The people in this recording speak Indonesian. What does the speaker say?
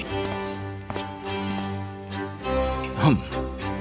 jangan lupa untuk mencari pekerjaan di sini